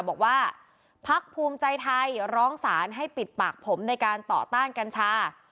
บอกว่าพักภูมิใจไทยร้องสารให้ปิดปากผมในการต่อต้านกัญชา